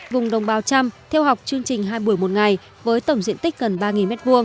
vùng đồng bào trăm theo học chương trình hai buổi một ngày với tổng diện tích gần ba m hai